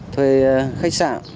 thuê khách sạn